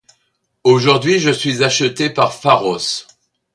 Aujourd'hui, je suis achetée par Pharos.